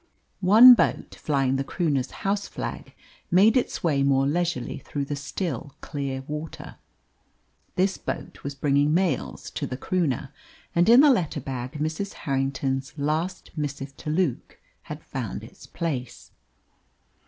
One boat, flying the Croonah's houseflag, made its way more leisurely through the still, clear water. This boat was bringing mails to the Croonah, and in the letter bag Mrs. Harrington's last missive to Luke had found its place.